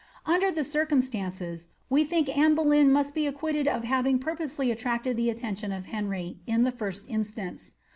Under these circumstances, we think Anne Boleyn must be acquitted of hiring purposely attracted the attention of Henry in the first instance.